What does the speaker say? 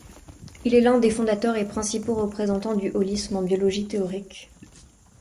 Il est l'un des fondateurs et principaux représentants du holisme en biologie théorique.